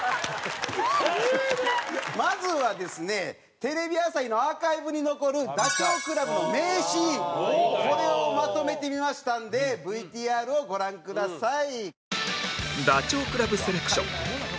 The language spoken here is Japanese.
まずはですねテレビ朝日のアーカイブに残るダチョウ倶楽部の名シーンこれをまとめてみましたんでＶＴＲをご覧ください。